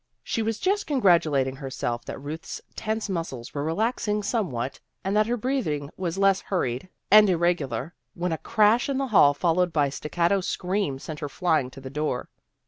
She was just congratulating herself that Ruth's tense muscles were relaxing somewhat, and that her breathing was less hurried and 162 THE GIRLS OF FRIENDLY TERRACE irregular, when a crash in the hall, followed by staccato screams, sent her flying to the door.